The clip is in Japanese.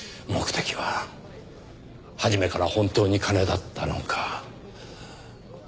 目的は初めから本当に金だったのか。